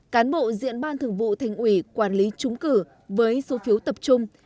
cán bộ diện ban thường vụ thành ủy quản lý trúng cử với số phiếu tập trung